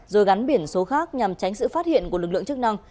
rồi gắn biển số khác nhằm tránh sự phát hiện của lực lượng chức năng